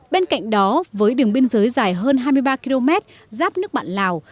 bên cạnh đó với đường biên giới dài hơn hai mươi ba km giáp nước bạn lào